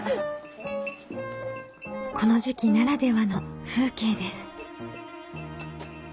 この時期ならではの風景です。